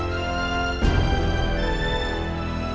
aku akan selalu mencintai kamu